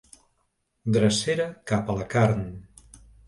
Drecera cap a la carn.